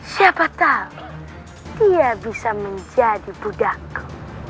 siapa tahu dia bisa menjadi budakku